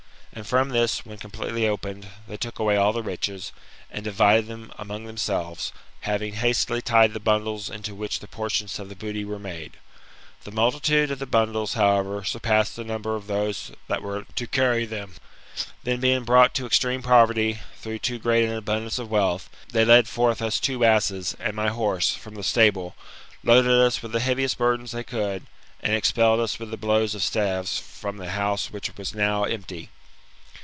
And from this, when completely opened, they took away all the riches, and divided them among themselves, having hastily tied the bundles into which the portions of the booty were made. The multitude of the bundles, however, surpassed the number of those that were to carry ihem. Then, being brought to extreme poverty, through too great an abundance of wealth, they led forth us two asses, and my horse, from the stable, loaded us with the heaviest bur dens they could, and expelled us with the blows of staves from the house which was now empty.